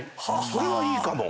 それはいいかも。